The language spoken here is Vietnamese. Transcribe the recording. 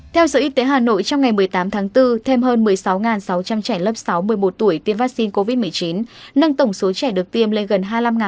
theo sở y tế hà nội trong ngày một mươi tám tháng bốn thêm hơn một mươi sáu sáu trăm linh trẻ lớp sáu một mươi một tuổi tiêm vaccine covid một mươi chín nâng tổng số trẻ được tiêm lên gần hai mươi năm